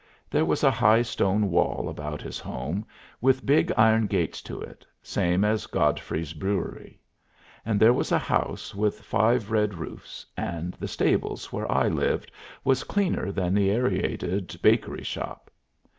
There was a high stone wall about his home with big iron gates to it, same as Godfrey's brewery; and there was a house with five red roofs; and the stables, where I lived, was cleaner than the aërated bakery shop.